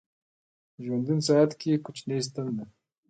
ژوندون ساعت کې کوچنۍ ستن ده